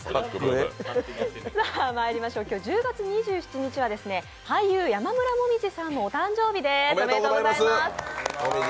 今日、１０月２７日は俳優・山村紅葉さんのお誕生日です、おめでとうございます。